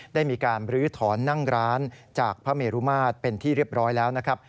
ได้มีการบรื้อถอนนั่งร้านจากพระเมรุมาตรเป็นที่เรียบร้อยแล้วนะครับ